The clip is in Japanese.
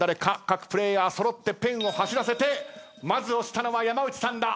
各プレーヤー揃ってペンを走らせてまず押したのは山内さんだ。